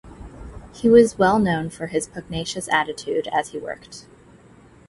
He was well known for his pugnacious attitude as he worked.